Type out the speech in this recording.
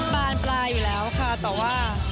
บานปลายอยู่แล้วค่ะแต่ว่า